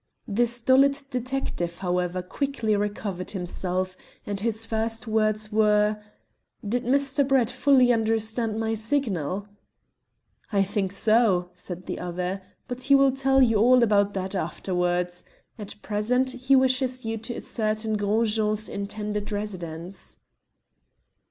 The stolid detective, however, quickly recovered himself, and his first words were "Did Mr. Brett fully understand my signal?" "I think so," said the other; "but he will tell you all about that afterwards. At present he wishes you to ascertain Gros Jean's intended residence."